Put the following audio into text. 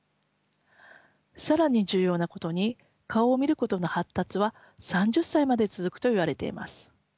更に重要なことに顔を見ることの発達は３０歳まで続くといわれています。